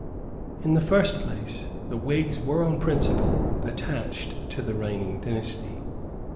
In the first place, the Whigs were on principle attached to the reigning dynasty.